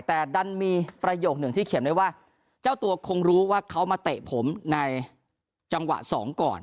แต่ดันมีประโยคหนึ่งที่เขียนได้ว่าเจ้าตัวคงรู้ว่าเขามาเตะผมในจังหวะสองก่อน